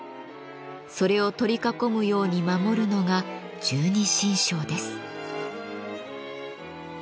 それを取り囲むように守るのが十二神将です。